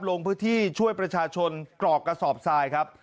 ลงพื้นที่ช่วยประชาชนกรอกกระสอบทรายครับ